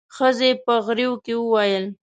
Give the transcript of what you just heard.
ښځې په غريو کې وويل.